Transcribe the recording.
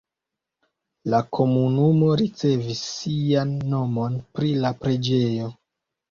La komunumo ricevis sian nomon pri la preĝejo.